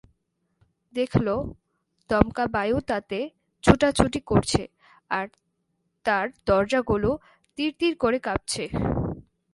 দেখল, দমকা বায়ু তাতে ছুটাছুটি করছে আর তার দরজাগুলো তির তির করে কাঁপছে।